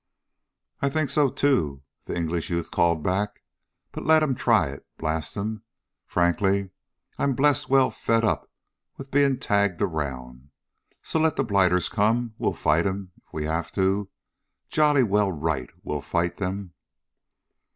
"I think so, too!" the English youth called back. "But let them try it, blast them. Frankly, I'm blessed well fed up with being tagged around. So let the blighters come. We'll fight them, if we have to. Jolly well right, we'll fight them!"